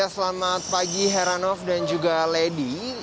selamat pagi heranov dan juga lady